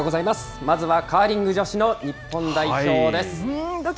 まずはカーリング女子の日本代表です。